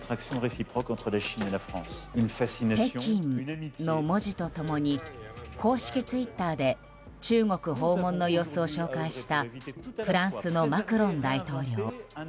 「ＰＥＫＩＮ」の文字と共に公式ツイッターで中国訪問の様子を紹介したフランスのマクロン大統領。